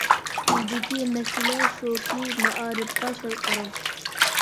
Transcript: بىزدىكى مەسىلە شۇكى، مائارىپقا سەل قاراش.